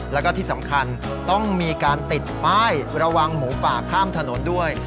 แล้วก็ที่สำคัญต้องมีการติดป้ายระวังหมูป่าข้ามถนนด้วย